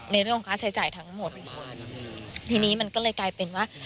ในเรื่องของค่าใช้จ่ายทั้งหมดทีนี้มันก็เลยกลายเป็นว่า